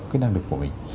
cái năng lực của mình